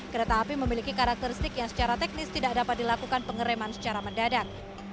kereta api memiliki karakteristik yang secara teknis tidak dapat dilakukan pengereman secara mendadak